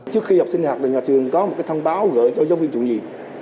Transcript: trước khi học sinh học nhà trường có một thông báo gửi cho giáo viên trụ nhiệm